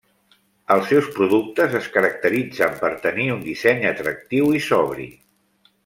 Els seus productes es caracteritzen per tenir un disseny atractiu i sobri.